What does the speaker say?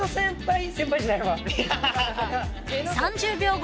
［３０秒後。